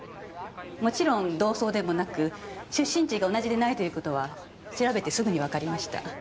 もちろん同窓でもなく出身地が同じでないという事は調べてすぐにわかりました。